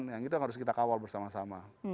yang itu yang harus kita kawal bersama sama